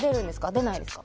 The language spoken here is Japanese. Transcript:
出ないんですか？